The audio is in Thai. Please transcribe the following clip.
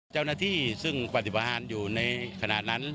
เจ้าหน้าที่ซึ่งปฏิหารอยู่ในขณะนั้น